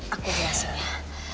aku jelasin ya